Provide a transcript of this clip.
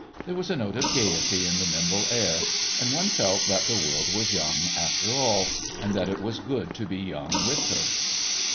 There was a note of gayety in the nimble air, and one felt that the world was young after all, and that it was good to be young with her.